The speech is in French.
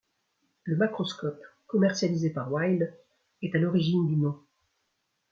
Le Makroskop, commercialisé par Wild, est à l'origine du nom.